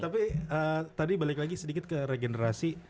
tapi tadi balik lagi sedikit ke regenerasi